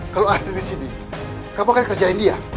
kalau astri kesini kamu akan kerjain dia